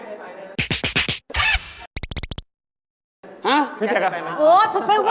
อารมณ์าน่ะ